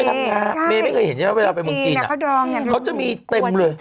เมย์ไม่เคยเห็นยังไงว่าไปเมืองจีนอะเขาจะมีเต็มเลย